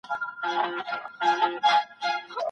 آیا پلان د بریا لپاره ضروري دی.